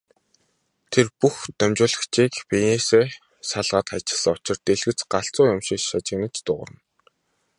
Тэр бүх дамжуулагчийг биенээсээ салгаад хаячихсан учир дэлгэц галзуу юм шиг шажигнан дуугарна.